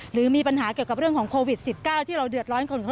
หรือมีปัญหาเกี่ยวกับเรื่องของโควิด๑๙ที่เราเดือดร้อน